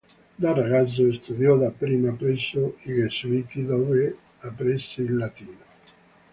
Da ragazzo, studiò dapprima presso i gesuiti, dove apprese il latino.